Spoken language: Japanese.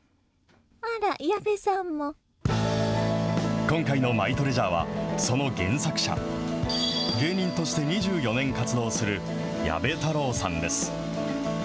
あら、今回のマイトレジャーは、その原作者、芸人として２４年活動する矢部太郎さんです。